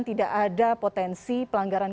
tidak ada potensi pelanggaran